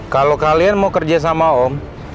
kalau kalian mau kerja sama om